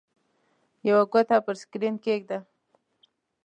یوه ګوته پر سکرین کېږده.